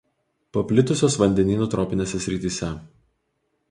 Paplitusios vandenynų tropinėse srityse.